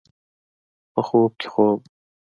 په خوب کې خوب